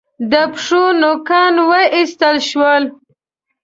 د پښو نوکان و ایستل شول.